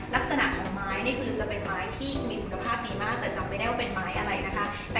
ลักษณะของไม้นี่คือจะเป็นไม้ที่มีคุณภาพดีมากแต่จำไม่ได้ว่าเป็นไม้อะไรนะคะ